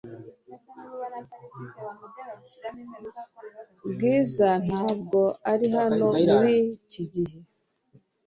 Bwiza ntabwo ari hano muri iki gihe .